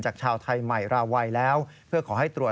จากชาวไทยใหม่ราวยแล้ว